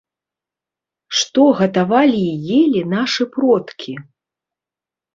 Што гатавалі і елі нашы продкі?